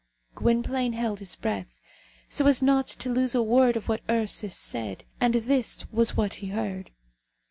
Gwynplaine held his breath, so as not to lose a word of what Ursus said, and this was what he heard.